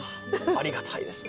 ありがたいですね。